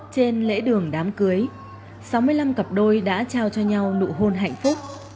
trên lễ đường đám cưới sáu mươi năm cặp đôi đã trao cho nhau nụ hôn hạnh phúc